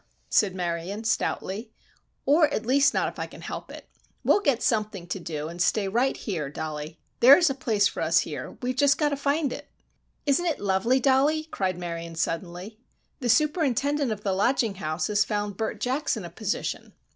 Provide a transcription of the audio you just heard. said Marion, stoutly, "or, at least not if I can help it. We'll get something to do, and stay right here, Dollie. There's a place for us here, but we've got to find it! "Isn't it lovely, Dollie?" cried Marion suddenly. "The superintendent of the lodging house has found Bert Jackson a position!"